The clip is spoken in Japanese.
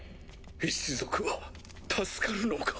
一族は助かるのか。